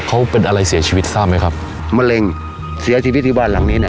เขาเป็นอะไรเสียชีวิตทราบไหมครับมะเร็งเสียชีวิตที่บ้านหลังนี้น่ะ